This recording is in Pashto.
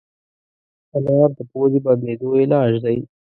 انار د پوزې بندېدو علاج دی.